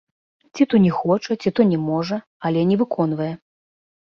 Ці то не хоча, ці то не можа, але не выконвае.